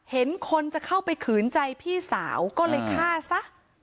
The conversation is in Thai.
เห็นคนจะเข้าไปขืนใจพี่สาวก็เลยฆ่าซะ